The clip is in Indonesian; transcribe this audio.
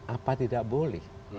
apa tidak boleh